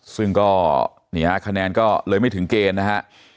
ซึ่งก็นี่ฮะคะแนนก็เลยไม่ถึงเกณฑ์นะฮะ